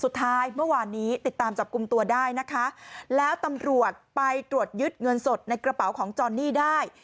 สุดท้ายเมื่อวานนี้ติดตามจับกลุ่มตัวได้นะคะแล้วตำรวจไปตรวจยึดเงินสดในกระเป๋าของจอนนี่ได้